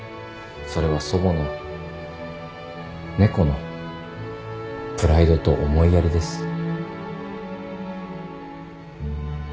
それは祖母の猫のプライドと思いやりです。